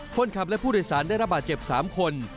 คนขับและผู้โดยสารน่าจะระบะเจ็บสามคน